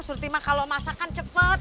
surtima kalau masakan cepet